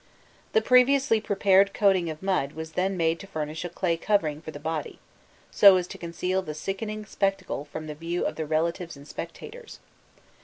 The previously prepared coating of mud was then made to furnish a clay covering for the body, so as to conceal the sickening spectacle from the view of the relatives and spectators.